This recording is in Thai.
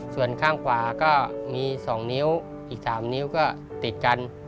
ส่วนข้างขวาก็มี๒นิ้วอีก๓นิ้วก็ติดกัน